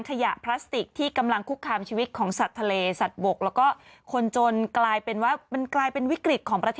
ขยะพลาสติกที่กำลังคุกคามชีวิต